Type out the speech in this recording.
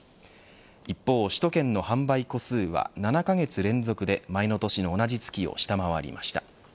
一方、首都圏の販売戸数は７カ月連続で前の年の同じ月を下回りました。